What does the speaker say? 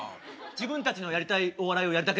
「自分たちのやりたいお笑いをやるだけです」